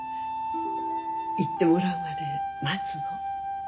言ってもらうまで待つの。